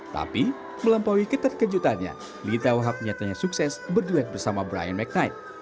tapi melampaui keterkejutannya lita wahab nyatanya sukses berduet bersama brian mcnight